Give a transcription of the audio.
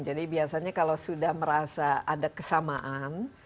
jadi biasanya kalau sudah merasa ada kesamaan